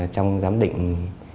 trong giám định